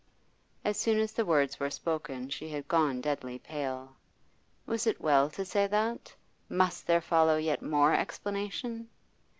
As soon as the words were spoken she had gone deadly pale. Was it well to say that? Must there follow yet more explanation?